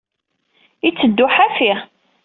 Itteddu ḥafi.